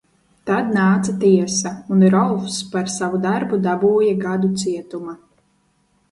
Tad nāca tiesa un Rolfs par savu darbu dabūja gadu cietuma.